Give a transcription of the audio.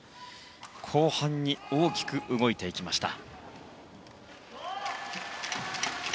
後半に大きく動いていきました。